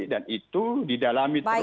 dan itu didalami